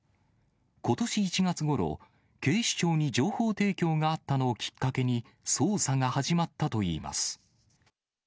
ことし１月ごろ、警視庁に情報提供があったのをきっかけに、捜査が始まったといいます。